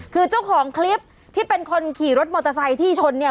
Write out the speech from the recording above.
คือเจ้าของคลิปที่เป็นคนขี่รถมอเตอร์ไซค์ที่ชนเนี่ย